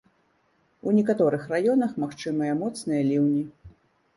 У некаторых раёнах магчымыя моцныя ліўні.